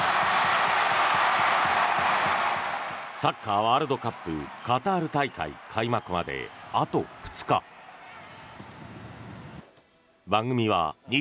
サッカーワールドカップカタール大会開幕まであと２日。